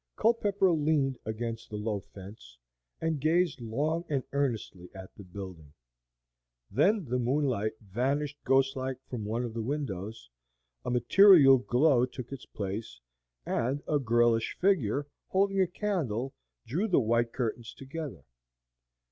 Culpepper leaned against the low fence, and gazed long and earnestly at the building. Then the moonlight vanished ghostlike from one of the windows, a material glow took its place, and a girlish figure, holding a candle, drew the white curtains together.